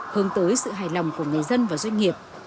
hướng tới sự hài lòng của người dân và doanh nghiệp